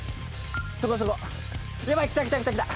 そこそこやばい来た来た来た来た！